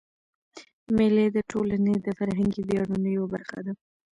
مېلې د ټولني د فرهنګي ویاړو یوه برخه ده.